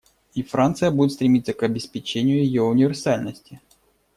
И Франция будет стремиться к обеспечению ее универсальности.